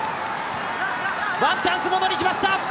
ワンチャンス、ものにしました！